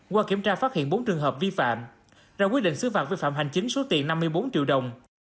qua kiểm tra phát hiện bốn trường hợp vi phạm ra quyết định xứ phạt vi phạm hành chính số tiền năm mươi bốn triệu đồng